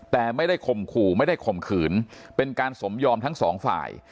แต่ไม่ได้ข่มขู่ไม่ได้ข่มขืนเป็นการสมยอมทั้งสองฝ่าย